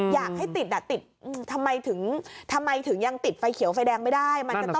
อยากให้ติดทำไมถึงยังติดไฟเขียวไฟแดงไม่ได้